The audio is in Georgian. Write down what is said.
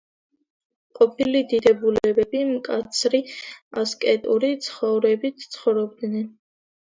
ყოფილი დიდებულები მკაცრი ასკეტური ცხოვრებით ცხოვრობდნენ.